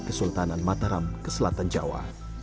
di kesultanan mataram keselatan jawa